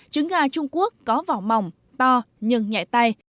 trứng gà trung quốc có vỏ mỏng to nhưng nhẹ tay